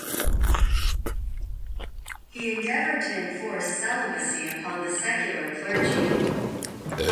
He endeavoured to enforce celibacy upon the secular clergy.